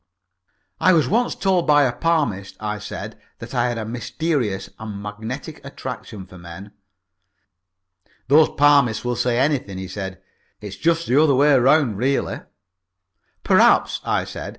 "I was once told by a palmist," I said, "that I had a mysterious and magnetic attraction for men." "Those palmists will say anything," he said. "It's just the other way round really." "Perhaps," I said.